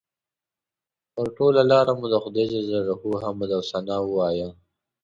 پر ټوله لاره مو د خدای جل جلاله حمد او ثنا ووایه.